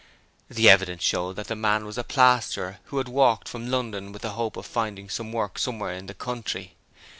The evidence showed that the man was a plasterer who had walked from London with the hope of finding work somewhere in the country.